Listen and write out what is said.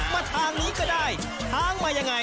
มาทางนี้ก็ได้ทางมายังไง